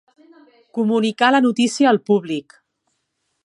Comunicar la notícia al públic.